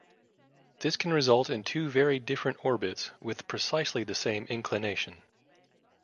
This can result in two very different orbits with precisely the same inclination.